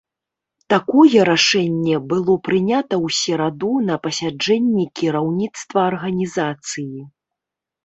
Такое рашэнне было прынята ў сераду на пасяджэнні кіраўніцтва арганізацыі.